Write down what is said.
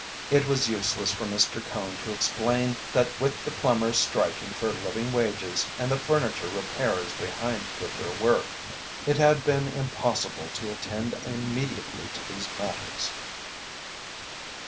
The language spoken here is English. It was useless for Mr. Cone to explain that with the plumbers striking for living wages and the furniture repairers behind with their work, it had been impossible to attend immediately to these matters.